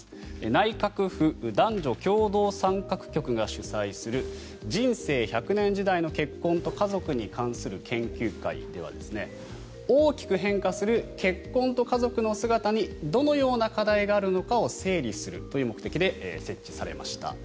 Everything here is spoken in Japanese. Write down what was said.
内閣府男女共同参画局が主催する人生１００年時代の結婚と家族に関する研究会では大きく変化する結婚と家族の姿にどのような課題があるのかを整理するという目的で設置されました。